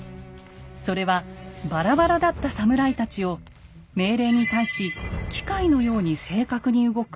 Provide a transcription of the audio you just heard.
それはバラバラだったサムライたちを命令に対し機械のように正確に動く